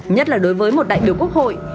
nhất là đối với một đại biểu quốc hội